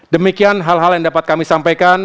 demikian hal hal yang dapat kami sampaikan